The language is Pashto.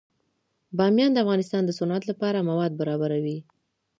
بامیان د افغانستان د صنعت لپاره مواد برابروي.